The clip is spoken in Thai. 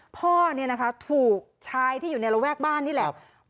พ่อถูกชายที่อยู่ในระแวกบ้านนี่แหละ